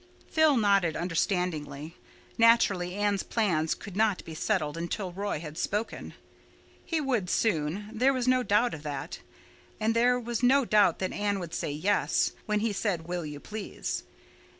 Phil nodded understandingly. Naturally Anne's plans could not be settled until Roy had spoken. He would soon—there was no doubt of that. And there was no doubt that Anne would say "yes" when he said "Will you please?"